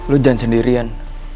lo jangan sendirian